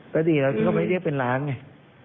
ก็ดีแล้วก็ไม่เรียกเป็นล้านไง